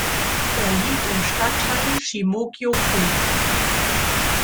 Er liegt im Stadtteil Shimogyō-ku.